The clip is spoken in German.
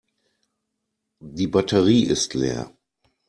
Die Batterie ist leer.